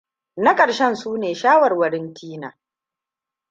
Na ƙarshen su ne shawarwarin Tina.